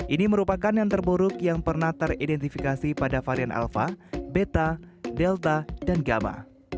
ini merupakan yang terburuk yang pernah teridentifikasi pada varian alpha beta delta dan gamma